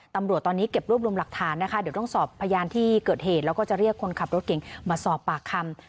ตำรวจตอนนี้เก็บรวบรวมหลักฐานนะคะเดี๋ยวต้องสอบพยานที่เกิดเหตุแล้วก็จะเรียกคนขับรถเก่งมาสอบปากคำ